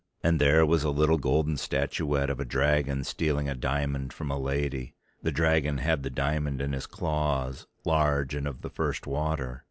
And there was a little golden statuette of a dragon stealing a diamond from a lady, the dragon had the diamond in his claws, large and of the first water.